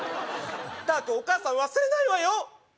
タ君お母さん忘れないわよ